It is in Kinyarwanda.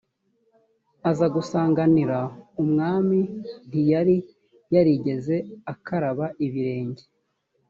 aza gusanganira umwami ntiyari yarigeze akaraba ibirenge